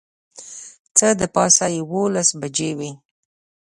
څه د پاسه یوولس بجې وې.